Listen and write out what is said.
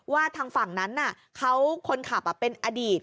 ทางฝั่งนั้นเขาคนขับเป็นอดีต